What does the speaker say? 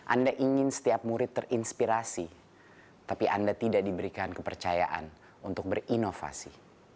anda ingin setiap murid terinspirasi tapi anda tidak diberikan kepercayaan untuk berinovasi